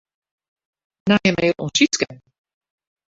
Nije mail oan Sytske.